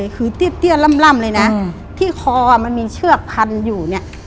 คือเตี้ยล่ำเลยนะที่คอมันมีเกลือบพันธุ์อยู่